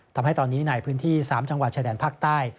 ทำให้ตอนนี้ในพื้นที่๓จังหวัดชายแดนภาคใต้